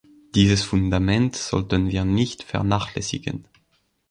Dieses Fundament sollten wir nicht vernachlässigen.